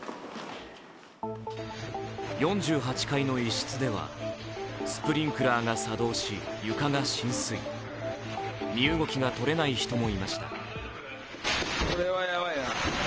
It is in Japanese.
４８階の一室では、スプリンクラーが作動し床が浸水、身動きがとれない人もいました。